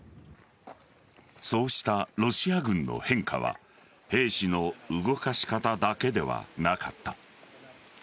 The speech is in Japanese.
そうしたロシア軍の変化は兵士の動かし方だけではなかった。